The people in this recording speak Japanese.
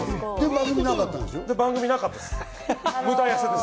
番組なかったんです。